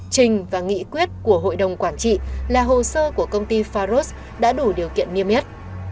trình và nghị quyết của hội đồng quản trị là hồ sơ của công ty faros đã đủ điều kiện niêm yết